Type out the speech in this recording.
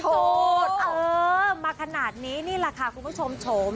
มาขนาดนี้นี่แหละค่ะคุณผู้ชมโฉม